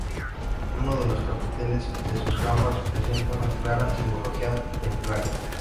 Uno de los capiteles de sus jambas presenta una clara simbología templaria.